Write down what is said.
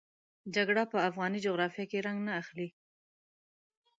جګړه په افغاني جغرافیه کې رنګ نه اخلي.